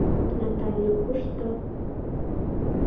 Натале кушто?